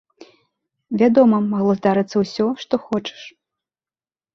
Вядома, магло здарыцца ўсё, што хочаш.